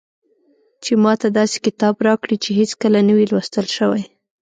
چې ماته داسې کتاب راکړي چې هېڅکله نه وي لوستل شوی.